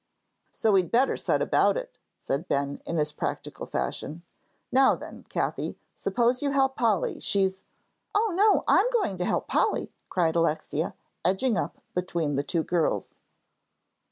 "So we'd better set about it," said Ben, in his practical fashion. "Now then, Cathie, suppose you help Polly, she's " "Oh, no, I'm going to help Polly," cried Alexia, edging up between the two girls.